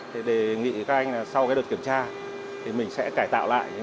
thì đề nghị các anh là sau cái đợt kiểm tra thì mình sẽ cải tạo lại